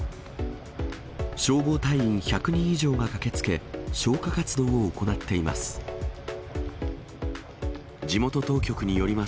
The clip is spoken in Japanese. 消防隊員１００人以上が駆けつけ、消火活動を行っています。